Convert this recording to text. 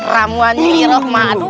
ramuan niroh malam